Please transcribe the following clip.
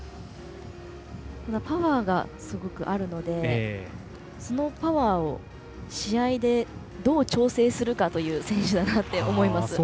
パワーがすごくあるのでそのパワーを試合でどう調整するかという選手だと思います。